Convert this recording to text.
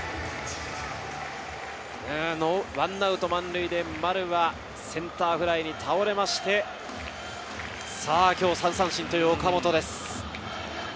１アウト満塁で丸はセンターフライに倒れまして、今日、３三振という岡本です。